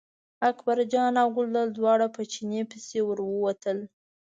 اکبرجان او ګلداد دواړه په چیني پسې ور ووتل.